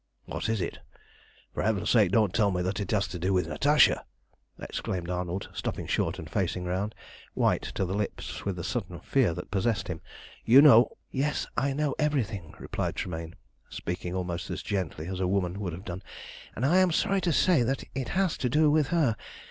"What is it? For Heaven's sake don't tell me that it has to do with Natasha!" exclaimed Arnold, stopping short and facing round, white to the lips with the sudden fear that possessed him. "You know" "Yes, I know everything," replied Tremayne, speaking almost as gently as a woman would have done, "and I am sorry to say that it has to do with her.